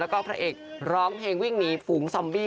แล้วก็พระเอกร้องเพลงวิ่งหนีฝูงซอมบี้